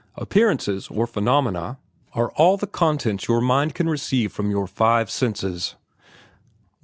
Appearances, or phenomena, are all the content your minds can receive from your five senses.